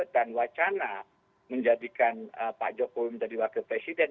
dan wacana menjadikan pak jokowi menjadi wakil presiden